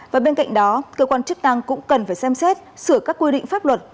và bên cạnh đó cơ quan chức năng cũng cần phải xem xét sửa các quy định pháp luật